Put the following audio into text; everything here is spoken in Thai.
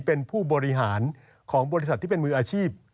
เป็นผู้บริหารของบริษัทที่เป็นมืออาชีพ